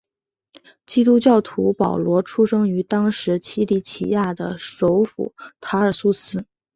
基督教使徒保罗出生于当时奇里乞亚的首府塔尔苏斯。